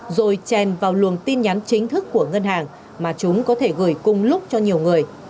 rồi chèn vào luồng tin nhắn chính thức của ngân hàng mà chúng có thể gửi cùng lúc cho nhiều người